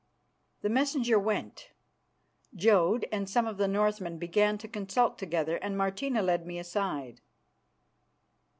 The messenger went. Jodd and some of the Northmen began to consult together, and Martina led me aside.